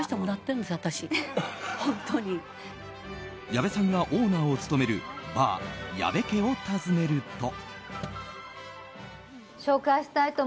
矢部さんがオーナーを務めるバー、ＹＡＢＥＫＥを訪ねると。